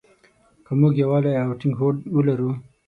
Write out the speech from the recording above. که مونږ يووالی او ټينګ هوډ ولرو.